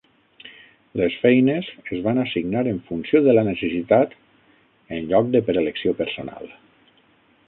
Les feines es van assignar en funció de la necessitat en lloc de per elecció personal.